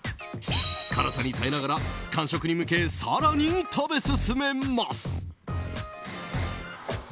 辛さに耐えながら完食に向け、更に食べ進めます。